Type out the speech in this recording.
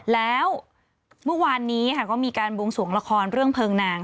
แล้วเมื่อวานนี้ค่ะก็มีการบวงสวงละครเรื่องเพลิงนาง